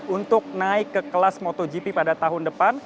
untuk naik ke kelas motogp pada tahun depan